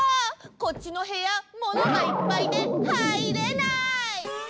こっちのへやものがいっぱいではいれない！